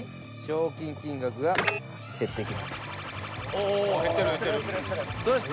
おお減ってる減ってる。